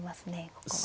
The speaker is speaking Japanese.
ここは。